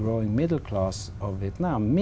cho những người thú vị việt nam